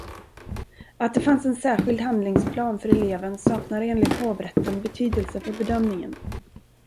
Att det fanns en särskild handlingsplan för eleven saknade enligt hovrätten betydelse för bedömningen.